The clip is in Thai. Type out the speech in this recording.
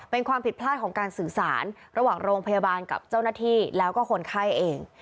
เป็นความผิดพลาดของการสื่อสารระหว่างโรงพยาบาลกับเจ้าหน้าที่แล้วก็คนไข้เอง